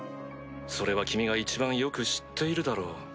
それは君が一番よく知っているだろう。